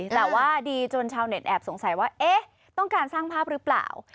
แต่ว่าดีจนชาวเน็ตแอบสงสัยว่าเอ๊ะต้องการสร้างภาพหรือเปล่า